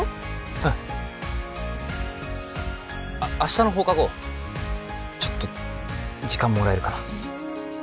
うん明日の放課後ちょっと時間もらえるかな？